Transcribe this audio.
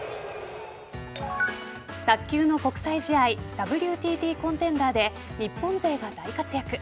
卓球の国際試合ＷＴＴコンテンダーで日本勢が大活躍。